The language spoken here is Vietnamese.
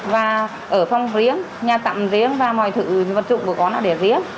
và ở phòng riêng nhà tạm riêng và mọi thử vật dụng của con là để riêng